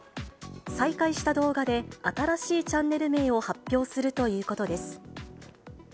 再開した動画で新しいチャンネル名を発表するということです。